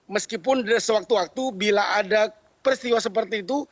meskipun sewaktu waktu bila ada peristiwa seperti itu